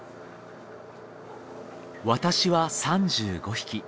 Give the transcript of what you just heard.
私は３５匹。